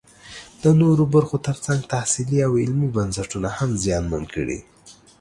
د نورو برخو ترڅنګ تحصیلي او علمي بنسټونه هم زیانمن کړي